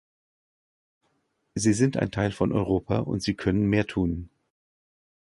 Sie sind ein Teil von Europa, und Sie können mehr tun.